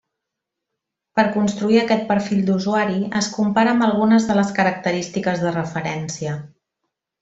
Per construir aquest perfil d'usuari es compara amb algunes de les característiques de referència.